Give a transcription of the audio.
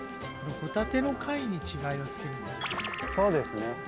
ホタテの貝に稚貝を付けるんですね。